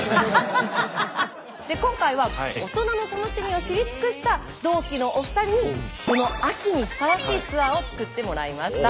今回は大人の楽しみを知り尽くした同期のお二人にこの秋にふさわしいツアーを作ってもらいました。